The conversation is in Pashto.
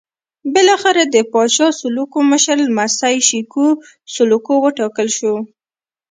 بالاخره د پاچا سلوکو مشر لمسی شېکو سلوکو وټاکل شو.